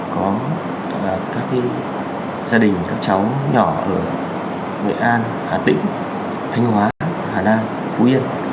có các gia đình các cháu nhỏ ở nghệ an hà tĩnh thanh hóa hà nam phú yên